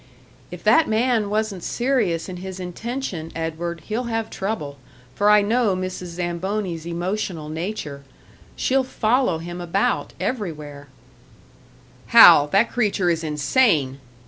"If that man wasn't serious in his intention, Edward, he'll have trouble, for I know Mrs. Zamboni's emotional nature. She'll follow him about everywhere " "Hal, that creature is insane!"